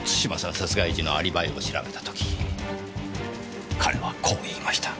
殺害時のアリバイを調べた時彼はこう言いました。